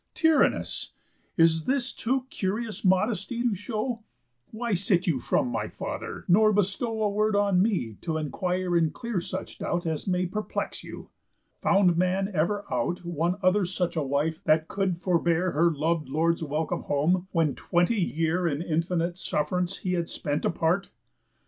tyrannous! In this too curious modesty you show. Why sit you from my father, nor bestow A word on me t' enquire and clear such doubt As may perplex you? Found man ever out One other such a wife that could forbear Her lov'd lord's welcome home, when twenty year In infinite suff'rance he had spent apart.